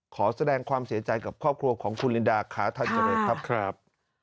ขอแสดงความเสียใจกับครอบครัวของคุณลินดาขาทันเจริญครับครับ